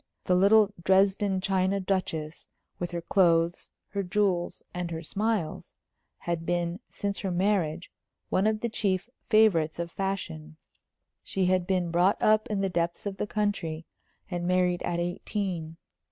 The little Dresden china Duchess, with her clothes, her jewels, and her smiles, had been, since her marriage, one of the chief favorites of fashion. She had been brought up in the depths of the country, and married at eighteen.